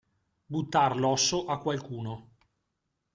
Buttar l'osso a qualcuno.